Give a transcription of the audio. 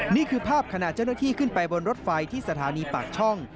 นี่คือภาพขณะเจ้าหน้าที่ขึ้นไปบนรถไฟที่สถานีปากช่อง